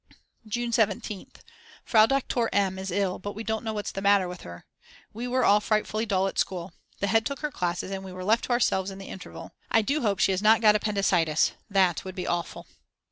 June 17th. Frau Doktor M. is ill, but we don't know what's the matter with her. We were all frightfuly dull at school. The head took her classes and we were left to ourselves in the interval. I do hope she has not got appendicitis, that would be awful.